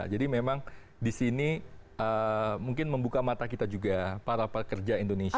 jadi ini mungkin membuka mata kita juga para pekerja indonesia